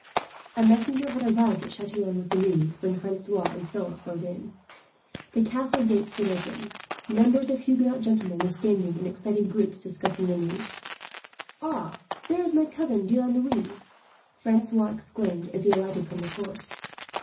A messenger had arrived at Chatillon with the news when Francois and Philip rode in. The castle gate stood open. Numbers of Huguenot gentlemen were standing in excited groups, discussing the news. "There is my cousin De la Noue!" Francois exclaimed, as he alighted from his horse.